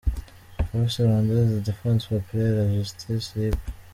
Forces Rwandaise de Defense Populaire La Justice libre.